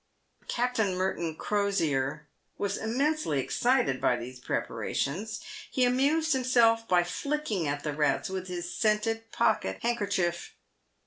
Captain Merton Crosier was immensely excited by these prepara tions. He amused himself by flicking at the rats with his scented pocket handkerchief.